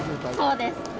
そうですね。